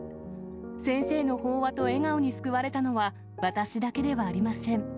先生の法話と笑顔に救われたのは、私だけではありません。